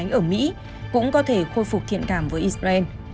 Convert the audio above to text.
ở mỹ cũng có thể khôi phục thiện cảm với israel